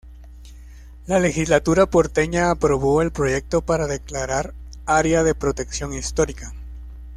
La Legislatura porteña aprobó el proyecto para declarar Área de Protección Histórica.